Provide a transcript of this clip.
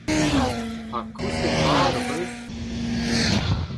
Ha kousket mat hoc'h eus ?